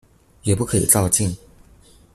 也不可以躁進